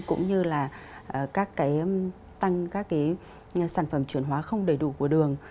cũng như là các cái tăng các cái sản phẩm chuyển hóa không đầy đủ của đường